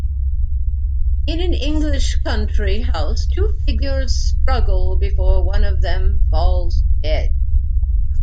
In an English country house two figures struggle before one of them falls dead.